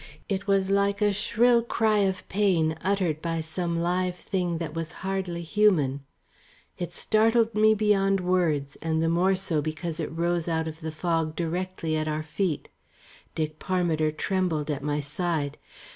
It was like a shrill cry of pain uttered by some live thing that was hardly human. It startled me beyond words, and the more so because it rose out of the fog directly at our feet. Dick Parmiter trembled at my side.